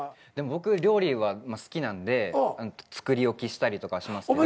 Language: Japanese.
僕料理は好きなんで作り置きしたりとかしますけど。